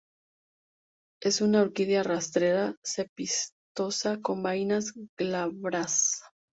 Es una orquídea rastrera cespitosa con vainas glabras.